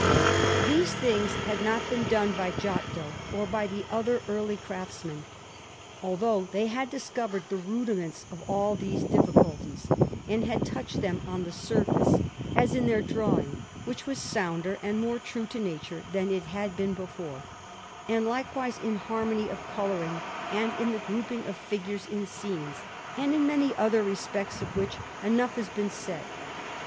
These things had not been done by Giotto or by the other early craftsmen, although they had discovered the rudiments of all these difficulties, and had touched them on the surface; as in their drawing, which was sounder and more true to nature than it had been before, and likewise in harmony of colouring and in the grouping of figures in scenes, and in many other respects of which enough has been said.